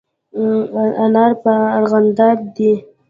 انار په د ارغانداب دي